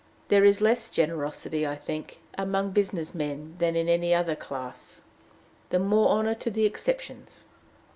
There is less generosity, I think, among business men than in any other class. The more honor to the exceptions!